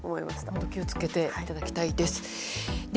本当、気をつけていただきたいです。